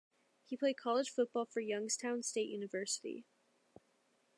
He played college football for Youngstown State University.